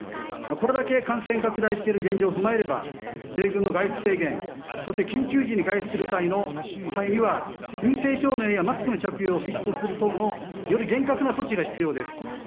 これだけ感染拡大している現状を踏まえれば、米軍の外出制限、そして緊急時に外出する際には陰性証明やマスクの着用を必須とする等のより厳格な措置が必要です。